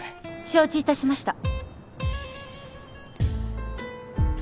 承知いたしました。